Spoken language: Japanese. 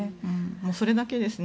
それだけですね。